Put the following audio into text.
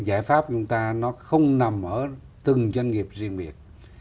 giải pháp chúng ta nó không nằm ở từng doanh nghiệp riêng biệt